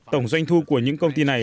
tổng doanh thu của những công ty này